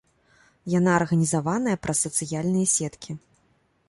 Яна арганізаваная праз сацыяльныя сеткі.